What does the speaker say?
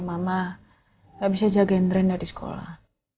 mama gak bisa jagain rena di sekolah